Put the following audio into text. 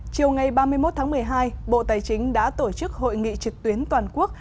chiều ngày ba mươi một tháng một mươi hai bộ tài chính đã tổ chức hội nghị trực tuyến toàn quốc